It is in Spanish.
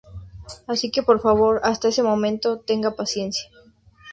Así que por favor, hasta ese momento, tengan paciencia.